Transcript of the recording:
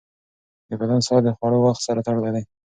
د بدن ساعت د خوړو وخت سره تړلی دی.